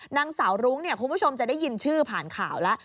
นางสาวรุ้งเนี่ยคุณผู้ชมจะได้ยินชื่อผ่านข่าวแล้ว